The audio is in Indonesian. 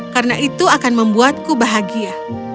karena itu akan membuatku bahagia